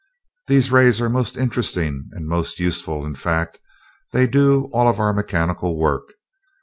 These rays are most interesting and most useful; in fact, they do all our mechanical work.